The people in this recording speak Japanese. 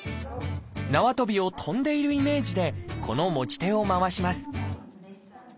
なわとびを跳んでいるイメージでこの持ち手を回します